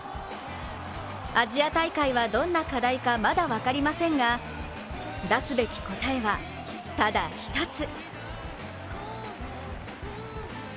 アジア大会はどんな課題かまだ分かりませんが出すべき答えは、ただ一つ。